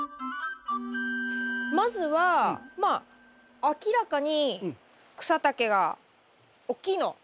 まずはまあ明らかに草丈が大きいの。